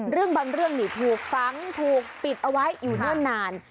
เรื่องบางเรื่องนี่ถูกฝังถูกปิดเอาไว้อยู่เนิ่นนาน